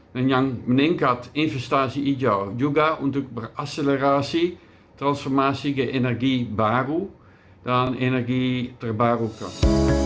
dan yang meningkat investasi hijau juga untuk berakselerasi transformasi ke energi baru dan energi terbarukan